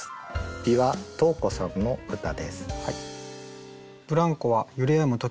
枇杷陶子さんの歌です。